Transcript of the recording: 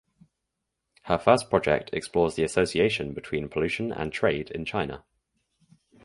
Her first project explores the association between pollution and trade in China.